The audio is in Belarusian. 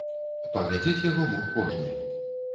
Паглядзець яго мог кожны.